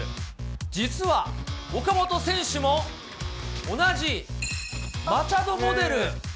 実は、岡本選手も、同じマチャドモデル。